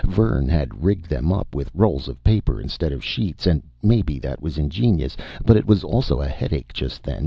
Vern had rigged them up with rolls of paper instead of sheets, and maybe that was ingenious, but it was also a headache just then.